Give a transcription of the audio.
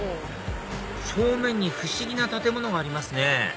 正面に不思議な建物がありますね